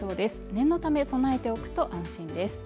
念のため備えておくと安心です。